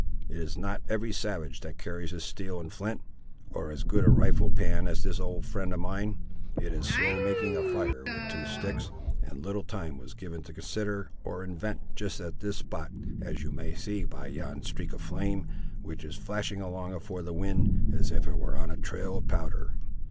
It is not every savage that carries his steel and flint, or as good a rifle pan as this old friend of mine. It is slow making a fire with two sticks, and little time was given to consider, or invent, just at this spot, as you may see by yon streak of flame, which is flashing along afore the wind, as if it were on a trail of powder.